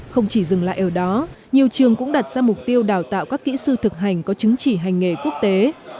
không chỉ dừng lại ở đó nhiều trường cũng đặt ra mục tiêu đào tạo các kỹ sư thực hành có chứng chỉ hành nghề quốc tế